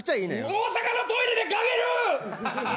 大阪のトイレで嗅げる！